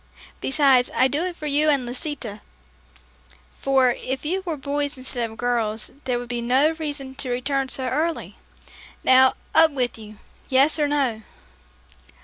Besides, I do it for you and Lisita, for if you were boys instead of girls, there would be no reason to return so early. Now, up with you. Yes, or no."